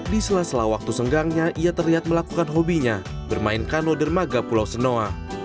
di sela sela waktu senggangnya ia terlihat melakukan hobinya bermain kano dermaga pulau senoa